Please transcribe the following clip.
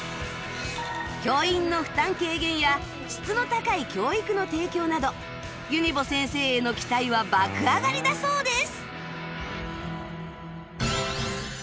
教員の負担軽減や質の高い教育の提供などユニボ先生への期待は爆上がりだそうです